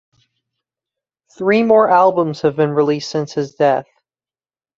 Three more albums have been released since his death.